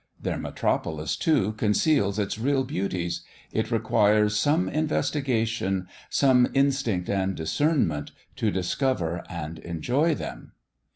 Their metropolis, too, conceals its real beauties. It requires some investigation, some instinct and discernment to discover and enjoy them.